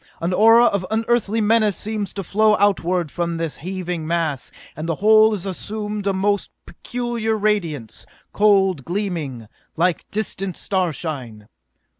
An aura of unearthly menace seems to flow outward from this heaving mass, and the whole is assuming a most peculiar radiance cold gleaming, like distant starshine!"